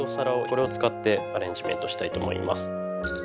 これを使ってアレンジメントしたいと思います。